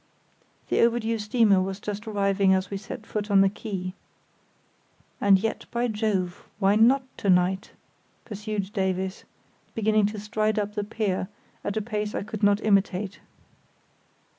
The overdue steamer was just arriving as we set foot on the quay. "And yet, by Jove! why not to night?" pursued Davies, beginning to stride up the pier at a pace I could not imitate.